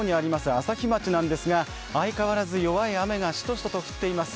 朝日町なんですが、相変わらず弱い雨がしとしとと降っています。